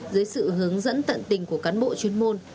dưới sự hướng dẫn tận tình của cán bộ chuyên môn